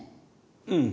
うん。